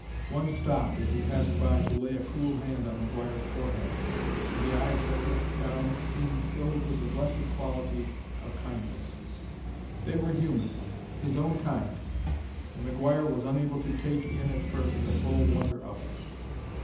One stopped, as he passed, to lay a cool hand on McGuire's forehead, and the eyes that looked down seemed filled with the blessed quality of kindness. They were human his own kind! and McGuire was unable to take in at first the full wonder of it.